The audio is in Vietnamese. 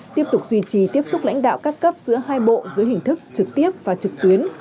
tiếp tục duy trì tiếp xúc lãnh đạo các cấp giữa hai bộ dưới hình thức trực tiếp và trực tuyến